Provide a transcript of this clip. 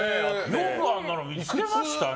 よくあんなの見つけましたね。